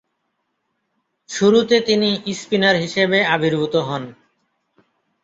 শুরুতে তিনি স্পিনার হিসেবে আবির্ভূত হন।